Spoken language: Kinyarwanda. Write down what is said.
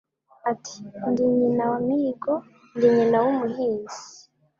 Ati: ndi nyina wa Mihigo Ndi nyina wa Muhizi,